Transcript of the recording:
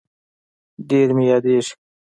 ډير مي ياديږي